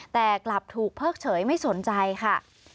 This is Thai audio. แต่กลับถูกเพิกเฉยไม่สนใจค่ะ